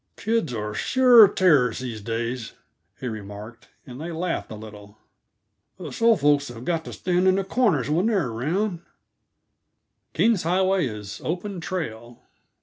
"Kids are sure terrors, these days," he remarked, and they laughed a little. "Us old folks have got to stand in the corners when they're around." King's Highway is open trail.